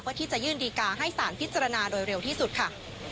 เพื่อที่จะยื่นดีการ์ให้สารพิจารณาโดยเร็วที่สุดค่ะ